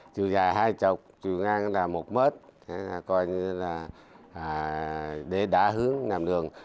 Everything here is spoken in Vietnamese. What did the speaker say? chiều dài hai chọc chiều ngang một mét để đá hướng làm đường